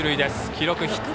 記録はヒット。